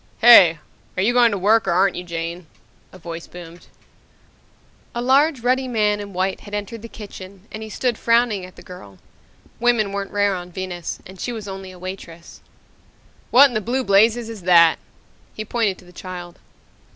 "Hey! Are you going to work or aren't you, Jane?" a voice boomed. A large ruddy man in white had entered the kitchen and he stood frowning at the girl. Women weren't rare on Venus, and she was only a waitress ... "What in the blue blazes is that!" He pointed to the child.